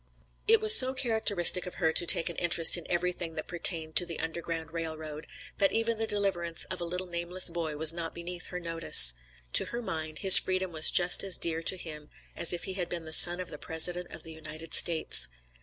It was so characteristic of her to take an interest in everything that pertained to the Underground Rail Road, that even the deliverance of a little nameless boy was not beneath her notice. To her mind, his freedom was just as dear to him as if he had been the son of the President of the United States.